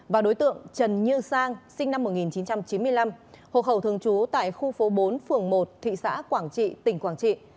và đối tượng trần như sang sinh năm một nghìn chín trăm chín mươi năm hộ khẩu thường trú tại khu phố bốn phường một thị xã quảng trị tỉnh quảng trị